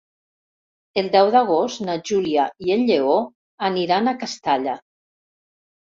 El deu d'agost na Júlia i en Lleó aniran a Castalla.